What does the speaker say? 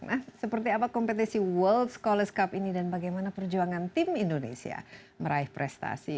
nah seperti apa kompetisi world scholars cup ini dan bagaimana perjuangan tim indonesia meraih prestasi